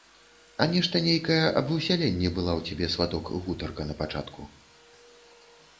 А нешта нейкае аб высяленні была ў цябе, сваток, гутарка напачатку.